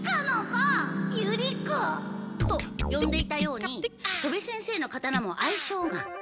ユリコ！とよんでいたように戸部先生の刀も愛称が？